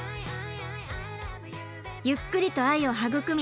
ゆっくりと愛を育み